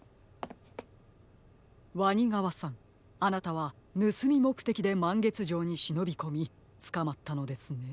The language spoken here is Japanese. わにがわさんあなたはぬすみもくてきでまんげつじょうにしのびこみつかまったのですね。